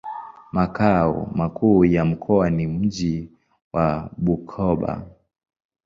Makao makuu ya mkoa ni mji wa Bukoba.